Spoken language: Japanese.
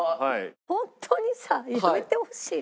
ホントにさやめてほしい。